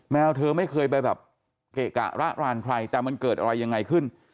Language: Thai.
แมวเธอไม่เคยไปแบบเกะกะระรานใครแต่มันเกิดอะไรยังไงขึ้น